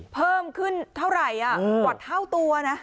เพิ่มขึ้นเท่าไหร่วัตถ้าวตัวนะ